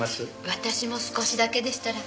私も少しだけでしたら。